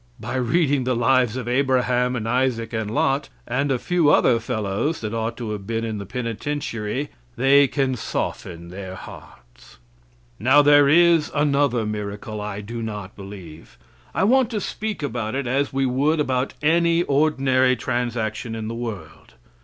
By reading the lives of Abraham, and Isaac, and Lot, and a few other fellows that ought to have been in the penitentiary, they can soften their hearts. Now, there is another miracle I do not believe. I want to speak about it as we would about any ordinary transaction in the world.